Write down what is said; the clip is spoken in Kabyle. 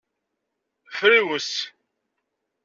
Friwes.